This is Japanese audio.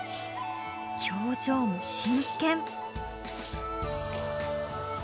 表情も真剣。